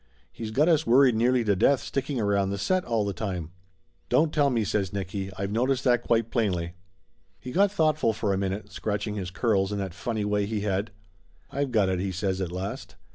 He's got us worried nearly to death sticking around the set all the time." "Don't tell me !" says Nicky. "I've noticed that quite plainly." He got thoughtful for a moment, scratching his curls in that funny way he had. "I've got it !" he says at last.